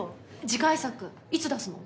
次回作いつ出すの？